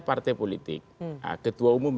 partai politik ketua umum